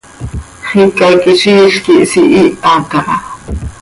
Xicaquiziil quih sihiiha caha.